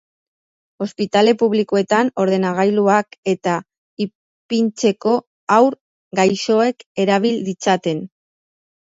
Ospitale publikoetan ordenagailuak-eta ipintzeko, haur gaixoek erabil ditzaten.